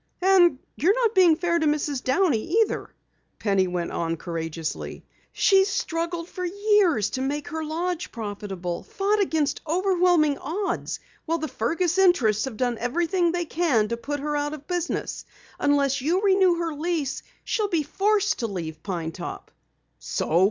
"And you're not being fair to Mrs. Downey either," Penny went on courageously. "She's struggled for years to make her lodge profitable, fought against overwhelming odds while the Fergus interests have done everything they can to put her out of business. Unless you renew her lease, she'll be forced to leave Pine Top." "So?"